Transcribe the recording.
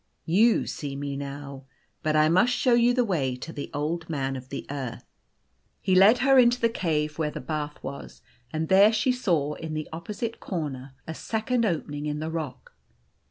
You see me now. But I must show you the way to the Old Man of the Earth." He led her into the cave where the bath was, and there she saw, in the opposite corner, a second opening in the rock.